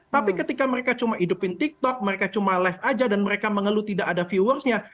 tapi ketika mereka cuma hidupin tiktok mereka cuma live aja dan mereka mengeluh tidak ada viewersnya